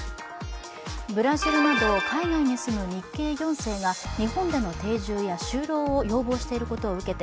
ブラジルなど海外に住む日系４世が日本への定住や就労を要望していることを受け